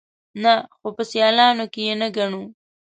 _نه، خو په سيالانو کې يې نه ګڼو.